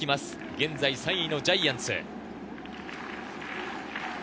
現在３位のジャイアンツ。